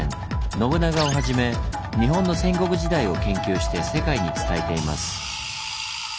信長をはじめ日本の戦国時代を研究して世界に伝えています。